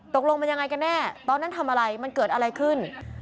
ตกลงมันยังไงกันแน่ตอนนั้นทำอะไรมันเกิดอะไรขึ้น